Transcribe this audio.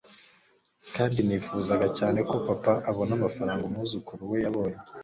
kandi nifuzaga cyane ko papa abona amafaranga umwuzukuru we yabonye